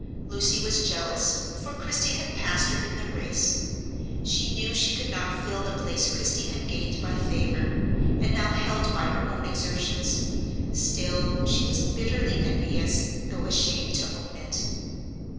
Lucy was jealous for Christie had passed her in the race. She knew she could not fill the place Christie had gained by favor, and now held by her own exertions, still she was bitterly envious, though ashamed to own it.